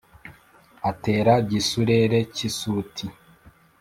Atera Gisurere cy’i Suti